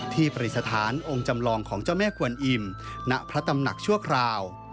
ปฏิสถานองค์จำลองของเจ้าแม่กวนอิ่มณพระตำหนักชั่วคราว